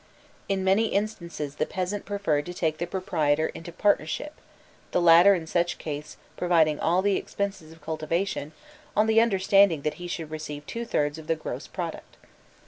In many instances the peasant preferred to take the proprietor into partnership, the latter in such case providing all the expenses of cultivation, on the understanding that he should receive two thirds of the gross product.